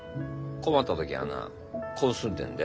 困った時はなこうすんねんで。